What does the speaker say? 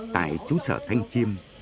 tại chú sở thanh chiêm